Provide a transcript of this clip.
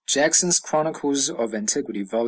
(Jackson's "Chronicles of Antiquity," vol.